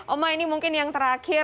oma ini mungkin yang terakhir